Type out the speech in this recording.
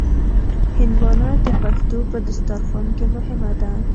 هندوانه د پښتنو په دسترخوان کې مهمه ده.